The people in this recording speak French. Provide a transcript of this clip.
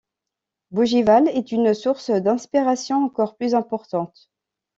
Bougival est une source d'inspiration encore plus importante.